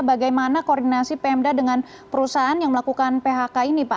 bagaimana koordinasi pmda dengan perusahaan yang melakukan phk ini pak